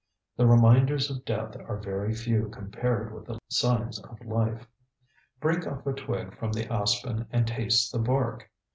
The reminders of death are very few compared with the signs of life. Break off a twig from the aspen and taste the bark.